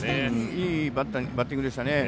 いいバッティングでしたね。